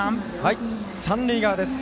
三塁側です。